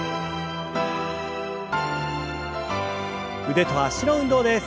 腕と脚の運動です。